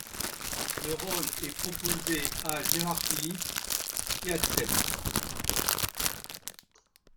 Le rôle est proposé à Gérard Philipe, qui accepte.